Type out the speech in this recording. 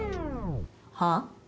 はあ？